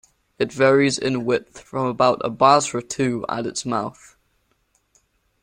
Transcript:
It varies in width from about at Basra to at its mouth.